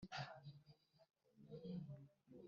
Baramwemerera bati: "Tuzamugushyingira"